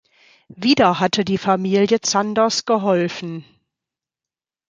Wieder hatte die Familie Zanders geholfen.